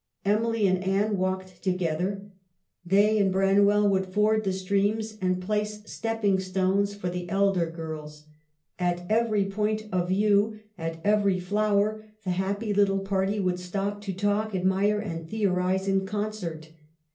Emily and Anne walked together. They and Branwell would ford the streams and place stepping stones for the elder girls. At every point of view, at every flower, the happy little party would stop to talk, admire, and theorize in concert.